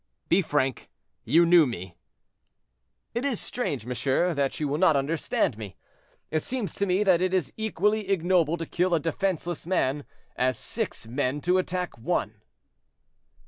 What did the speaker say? "Be frank; you knew me?" "It is strange, monsieur, that you will not understand me. It seems to me that it is equally ignoble to kill a defenseless man, as six men to attack one."